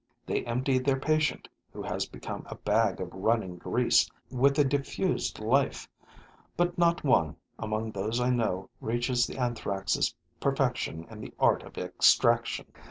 They empty their patient, who has become a bag of running grease with a diffused life; but not one, among those I know, reaches the Anthrax' perfection in the art of extraction.